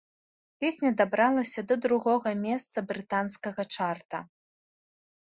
Песня дабралася да другога месца брытанскага чарта.